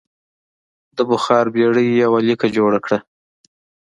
د بخار بېړۍ یوه لیکه جوړه کړه.